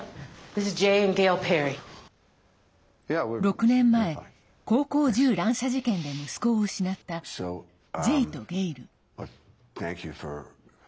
６年前、高校銃乱射事件で息子を失ったジェイとゲイル。